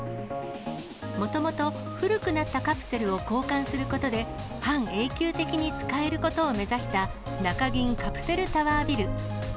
もともと古くなったカプセルを交換することで、半永久的に使えることを目指した中銀カプセルタワービル。